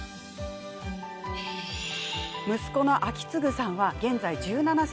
息子の章胤さんは現在１７歳。